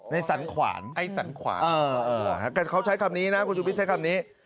สันขวานไอ้สันขวาแต่เขาใช้คำนี้นะคุณชุวิตใช้คำนี้